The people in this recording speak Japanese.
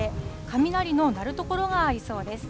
雷の鳴る所がありそうです。